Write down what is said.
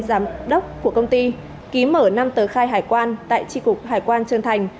giám đốc của công ty ký mở năm tờ khai hải quan tại tri cục hải quan trân thành